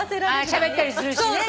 しゃべったりするしね。